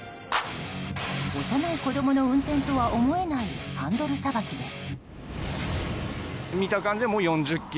幼い子供の運転とは思えないハンドルさばきです。